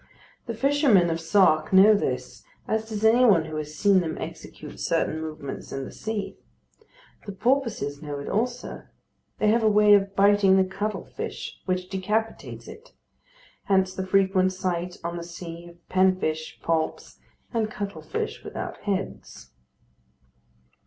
The fishermen of Sark know this, as does any one who has seen them execute certain movements in the sea. The porpoises know it also; they have a way of biting the cuttle fish which decapitates it. Hence the frequent sight on the sea of pen fish, poulps, and cuttle fish without heads.